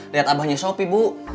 liat abahnya sopi bu